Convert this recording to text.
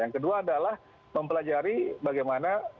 yang kedua adalah mempelajari bagaimana